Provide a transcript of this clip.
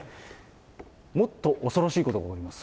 もっと恐ろしいことが起こります。